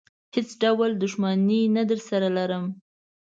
هېڅ ډول دښمني نه درسره لرم.